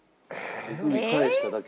手首返しただけ。